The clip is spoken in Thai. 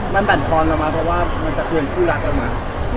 มันปัดพรองตามาเพราะว่ามันสะเทือนผู้รักด้วยมั้ย